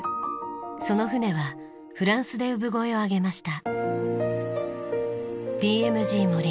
その船はフランスで産声を上げました。